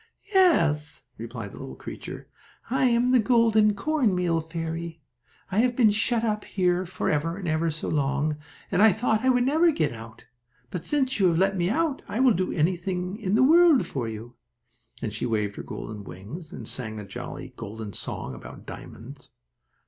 "Yes," replied the little creature, "I am the golden cornmeal fairy. I have been shut up here for ever and ever so long, and I thought I would never get out. But, since you have let me out, I will do anything in the world for you," and she waved her golden wings, and sang a jolly, golden song about diamonds.